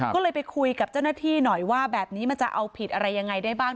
ก็เลยไปคุยกับเจ้าหน้าที่หน่อยว่าแบบนี้มันจะเอาผิดอะไรยังไงได้บ้าง